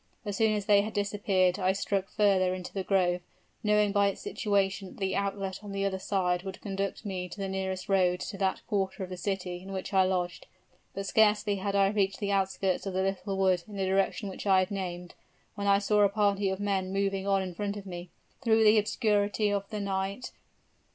As soon as they had disappeared I struck further into the grove, knowing by its situation that the outlet on the other side would conduct me to the nearest road to that quarter of the city in which I lodged. But scarcely had I reached the outskirts of the little wood in the direction which I have named, when I saw a party of men moving on in front of me, through the obscurity of the night.